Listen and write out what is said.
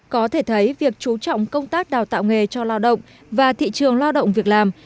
có thể thấy việc chú trọng công tác đào tạo nghề cho lao động và thị trường lao động việc làm